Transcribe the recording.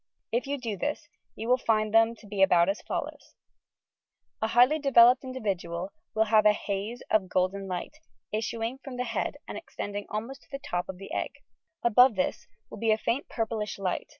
If you do this, you will find them to be about as follows : A highly developed individual will have a haze of golden light, issuing from the head and extending almost to the top of the egg. Above this will be a faint purplish light.